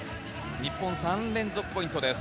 日本３連続ポイントです。